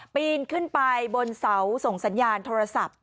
ปีนขึ้นไปบนเสาส่งสัญญาณโทรศัพท์